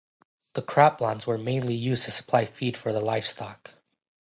The croplands were mainly used to supply feed for the livestock.